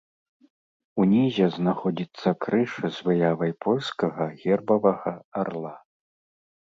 Унізе знаходзіцца крыж з выявай польскага гербавага арла.